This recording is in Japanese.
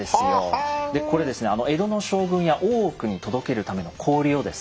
これですね江戸の将軍や大奥に届けるための氷をですね